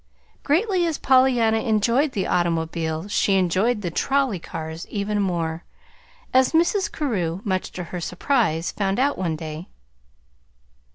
Greatly as Pollyanna enjoyed the automobile, she enjoyed the trolley cars more, as Mrs. Carew, much to her surprise, found out one day.